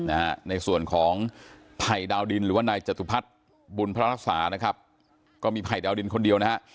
ในส่วนของภัยดาวดินหรือว่านายจตุพัฒน์บุญพระรักษานะครับก็มีภัยดาวดินคนเดียวนะฮะ